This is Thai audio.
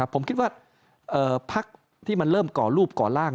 ผมคิดว่าพักที่มันเริ่มก่อรูปก่อล่าง